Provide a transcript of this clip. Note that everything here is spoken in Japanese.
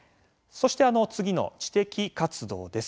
そしてあの次の知的活動です。